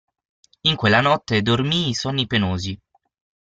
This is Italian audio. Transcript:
In quella notte dormii sonni penosi.